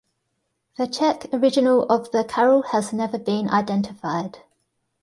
The Czech original of the carol has never been identified.